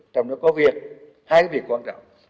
trong đó có việc hai cái việc quan trọng